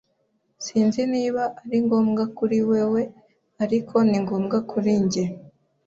Sinzi niba ari ngombwa kuri wewe, ariko ni ngombwa kuri njye.